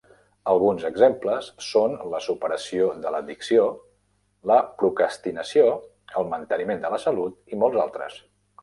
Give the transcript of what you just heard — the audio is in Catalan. Alguns exemples són la superació de l'addicció, la procrastinació, el manteniment de la salut i molts altres.